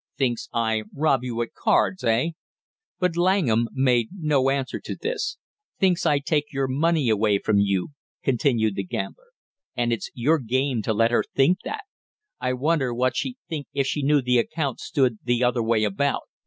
"Thinks I rob you at cards, eh?" But Langham made no answer to this. "Thinks I take your money away from you," continued the gambler. "And it's your game to let her think that! I wonder what she'd think if she knew the account stood the other way about?